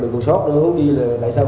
mình còn sót được không biết là tại sao